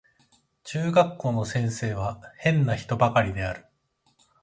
中学校の先生は変な人ばかりである